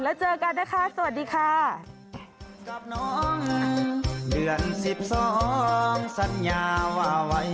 แล้วเจอกันนะคะสวัสดีค่ะ